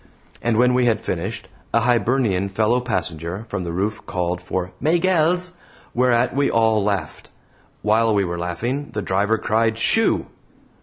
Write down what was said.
And when we had finished, a Hibernian fellow passenger from the roof called for "Maygells!" whereat we all laughed. While we were laughing, the driver cried "Shoo!"